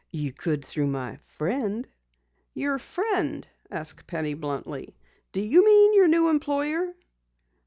"You could through my friend." "Your friend?" asked Penny bluntly. "Do you mean your new employer?"